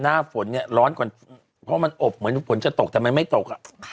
หน้าฝนเนี่ยร้อนกว่าเพราะมันอบเหมือนฝนจะตกทำไมไม่ตก